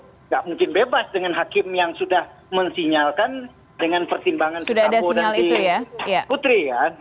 tidak mungkin bebas dengan hakim yang sudah mensinyalkan dengan pertimbangan sambu dan putri